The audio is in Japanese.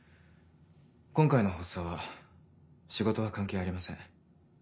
今回の発作は仕事は関係ありません。